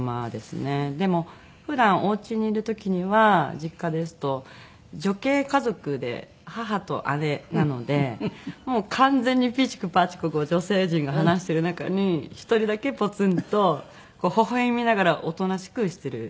でも普段おうちにいる時には実家ですと女系家族で母と姉なのでもう完全にピーチクパーチク女性陣が話してる中に１人だけポツンとほほ笑みながらおとなしくしてるタイプ。